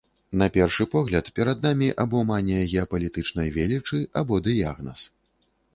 На першы погляд, перад намі або манія геапалітычнай велічы, або дыягназ.